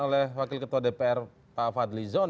oleh wakil ketua dpr pak fadlizon